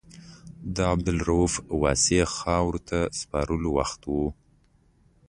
د عبدالرؤف واسعي خاورو ته سپارلو وخت و.